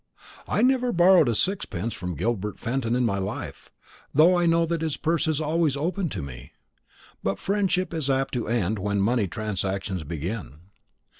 "I never borrowed a sixpence from Gilbert Fenton in my life, though I know that his purse is always open to me. But friendship is apt to end when money transactions begin.